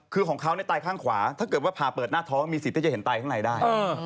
คือของเขาตายข้างขวาถ้าเกิดว่าผ่าเปิดหน้าท้องมีสิทธิ์ที่จะเห็นตายข้างในได้